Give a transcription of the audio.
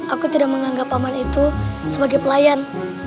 aku tidak menganggap paman itu sebagai pelayan